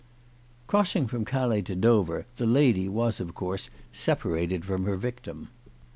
Crossing from Calais to Dover the lady was, of course, separated from her victim.